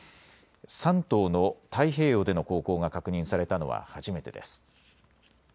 山東の太平洋での航行が確認されたのは初めてです。